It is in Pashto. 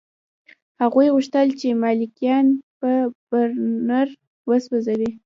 هغوی غوښتل چې ملکیان په برنر وسوځوي